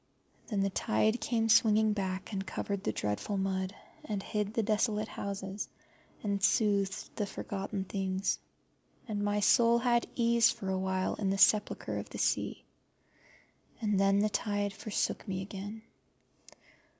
Then the tide came swinging back and covered the dreadful mud, and hid the desolate houses, and soothed the forgotten things, and my soul had ease for a while in the sepulture of the sea. And then the tide forsook me again.